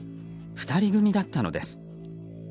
２人組だったのです。